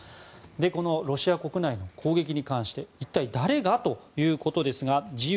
このロシア国内の攻撃に関して一体誰がということですが自由